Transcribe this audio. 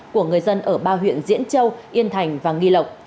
của người dân ở ba huyện diễn châu yên thành và nghi lộc